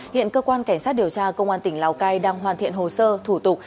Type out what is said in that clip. hiện cơ quan cảnh sát điều tra công an tỉnh lào cai đang hoàn thiện hồ sơ thủ tục